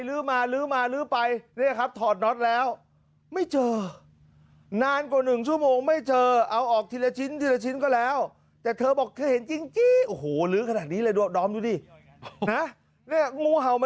กู้ภัยมาถึงที่หายอย่างไรไม่เจอลื้อได้ไหม